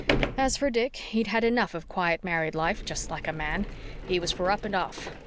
As for Dick, he'd had enough of quiet married life just like a man. He was for up and off.